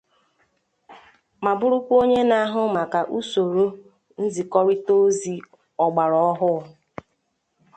ma bụrụkwa onye na-ahụ maka usoro nzikọrịta ozi ọgbara ọhụụ